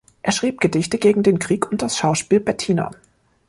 Er schrieb Gedichte gegen den Krieg und das Schauspiel „Bettina“.